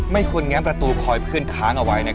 ไม่ควรแง้ประตูคอยเพื่อนค้างเอาไว้นะครับ